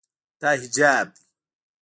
دا حجاب ده.